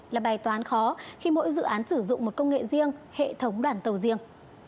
là bài toán khó khi mỗi dự án sử dụng một công nghệ riêng hệ thống đoàn tàu riêng